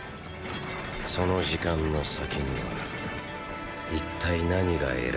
その時間の先には一体何が得られるのだろうか。